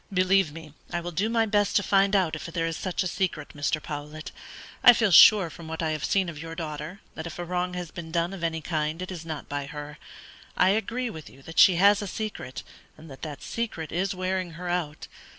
"Believe me, I will do my best to find it out if there is such a secret, Mr. Powlett. I feel sure from what I have seen of your daughter, that if a wrong has been done of any kind it is not by her. I agree with you that she has a secret, and that that secret is wearing her out.